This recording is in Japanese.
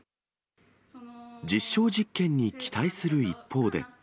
実証実験に期待する一方で。